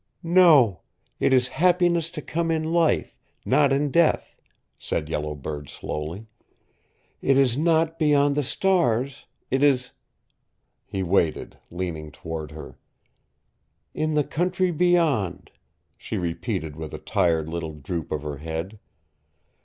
"No, it is happiness to come in life, not in death," said Yellow Bird slowly. "It is not beyond the stars. It is " He waited, leaning toward her. "In the Country Beyond," she repeated with a tired little droop of her head.